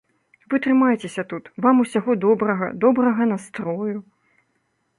Вы трымайцеся тут, вам усяго добрага, добрага настрою!